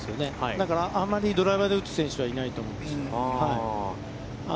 だから、あまりドライバーで打つ選手はいないと思います。